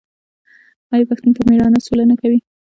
آیا پښتون په میړانه سوله نه کوي؟